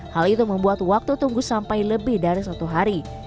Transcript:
hal itu membuat waktu tunggu sampai lebih dari satu hari